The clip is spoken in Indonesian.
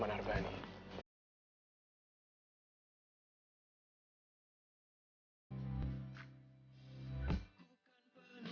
sama rani varu pacarnya